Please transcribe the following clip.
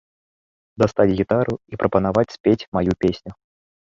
Дастаць гітару і прапанаваць спець маю песню.